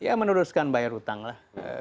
saya saya haruskan bayar hutang lah